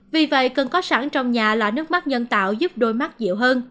vì vậy cần có sẵn trong nhà là nước mắt nhân tạo giúp đôi mắt dịu hơn